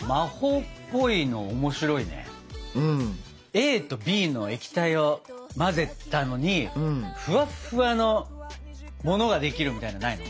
ＡとＢの液体を混ぜたのにふわっふわのものができるみたいなのないの？